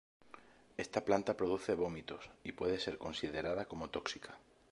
Esta planta produce vómitos, y puede ser considerada como tóxica.